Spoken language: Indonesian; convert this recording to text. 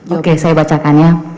oke saya bacakan ya